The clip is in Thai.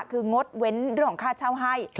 คืองดเว้นเรื่องของค่าเช่าให้